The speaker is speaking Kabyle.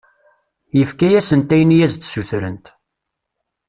Yefka-asent ayen i as-d-ssutrent.